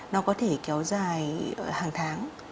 nó có thể kéo dài hàng tháng